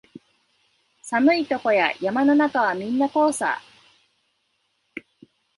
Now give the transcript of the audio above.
寒いとこや山の中はみんなこうさ